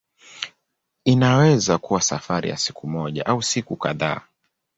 Inaweza kuwa safari ya siku moja au siku kadhaa.